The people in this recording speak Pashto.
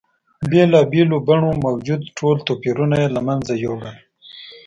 بېلا بېلو بڼو موجود ټول توپیرونه یې له منځه یوړل.